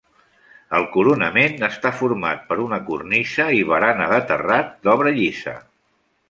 El coronament està format per una cornisa i barana de terrat d'obra llisa.